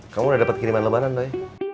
kamu udah dapet kiriman lebaran doi